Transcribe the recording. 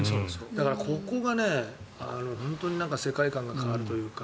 だから、ここが本当に世界観が変わるというか。